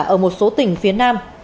ở một số tỉnh phía nam